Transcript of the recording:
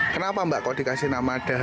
kenapa mbak kalau dikasih nama daha